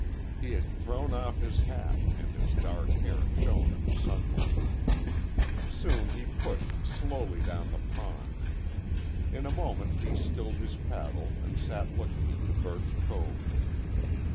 He had thrown off his hat, and his dark hair shone in the sunlight. Soon he pushed slowly down the pond. In a moment he stilled his paddle and sat looking into Birch Cove.